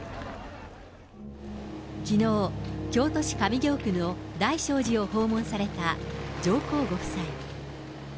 きのう、京都市上京区の大聖寺を訪問された上皇ご夫妻。